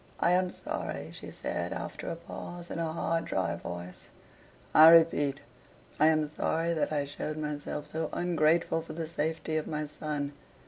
"I am sorry," she said, after a pause, in a hard, dry voice, "I REPEAT I am sorry that I showed myself so ungrateful for the safety of my son.